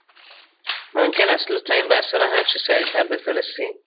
ممکن است لطفاً این بسته را هرچه سریع تر بفرستید؟